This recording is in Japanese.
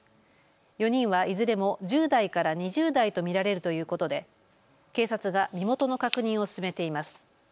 ４人はいずれも１０代から２０代と見られるということで警察が身元の確認を進めています。